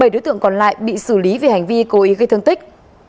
bảy đối tượng còn lại bị xử lý vì hành vi cố ý gây thương tích